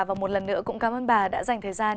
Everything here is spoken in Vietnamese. và một lần nữa cũng cảm ơn bà đã dành thời gian